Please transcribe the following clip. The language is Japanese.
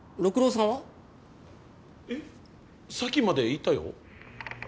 さっきまでいたよ。